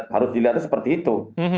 harus dilihatnya seperti itu